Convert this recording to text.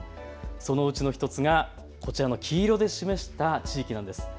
そのうちの１つがこちらの黄色で示した地域なんです。